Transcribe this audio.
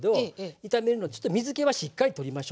炒めるのでちょっと水けはしっかり取りましょう。